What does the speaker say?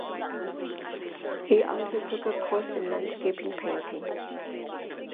He also took a course in landscape painting.